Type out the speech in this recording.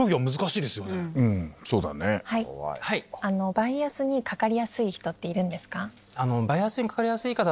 バイアスにかかりやすい人っているんですか？